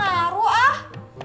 ah ngaruh ah